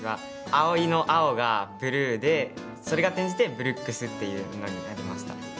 碧生の「碧」が「ブルー」でそれが転じて「ブルックス」っていうのになりました。